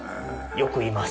よくいます。